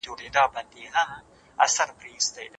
میرویس